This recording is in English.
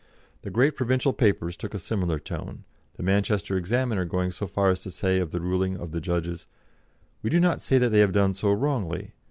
The great provincial papers took a similar tone, the Manchester Examiner going so far as to say of the ruling of the judges: "We do not say they have done so wrongly.